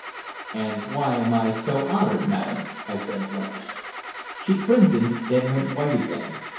"And why am I so far honored, madam?" I said bluntly. She crimsoned, then went white again.